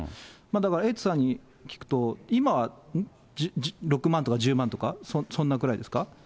だからエイトさんに聞くと、今、６万とか、１０万とか、そんなくらいですか？